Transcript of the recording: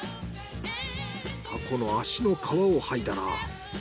タコの足の皮をはいだら。